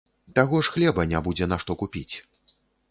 Таго ж хлеба не будзе на што купіць.